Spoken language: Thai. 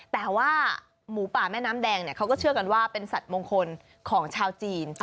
แต่ว่าหมูป่าแม่น้ำแดงเขาก็เชื่อกันว่าเป็นสัตว์มงคลของชาวจีน